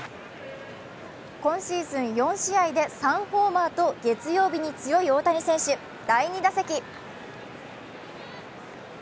今シーズン４試合で３ホーマーと月曜日に強い大谷選手、第２打席。